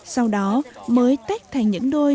sau đó mới tách thành những đôi